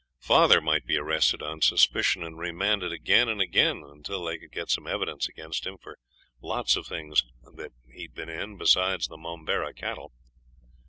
Father might be arrested on suspicion and remanded again and again until they could get some evidence against him for lots of things that he'd been in besides the Momberah cattle.